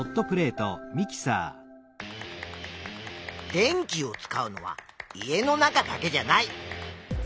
電気を使うのは家の中だけじゃない。